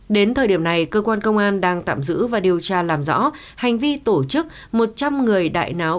đến thời điểm này cơ quan công an đang tạm giữ và điều tra làm rõ hành vi tổ chức một trăm linh người đại náo